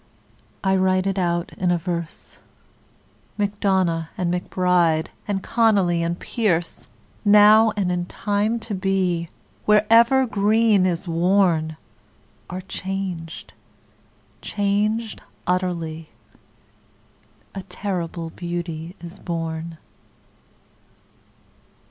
I write it out in a verse MacDonagh and MacBride And Connolly and Pearse Now and in time to be, Wherever green is worn, Are changed, changed utterly: A terrible beauty is born.